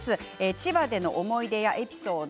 千葉での思い出やエピソード